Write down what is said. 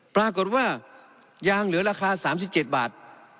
ปรากฏว่ายางเหลือราคา๓๗บาท